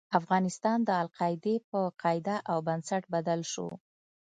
افغانستان د القاعدې په قاعده او بنسټ بدل شو.